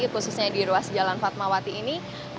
khususnya di ruas jalan fatmawati ini